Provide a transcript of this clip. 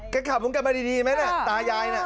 แกขับผมกลับมาดีมั้ยนะตายายนะ